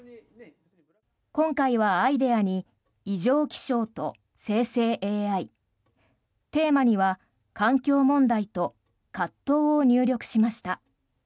今回はアイデアに異常気象と生成ＡＩテーマには環境問題と葛藤を入力しました。